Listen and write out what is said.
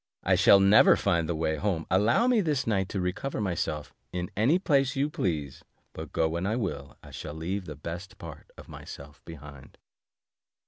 I shall never find the way home; allow me this night to recover myself, in any place you please, but go when I will, I shall leave the best part of myself behind."